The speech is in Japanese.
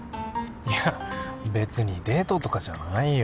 いや別にデートとかじゃないよ